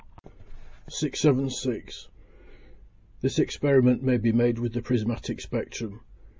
676. This experiment may be made with the prismatic spectrum.